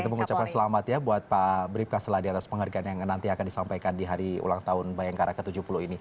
untuk mengucapkan selamat ya buat pak bribka seladi atas penghargaan yang nanti akan disampaikan di hari ulang tahun bayangkara ke tujuh puluh ini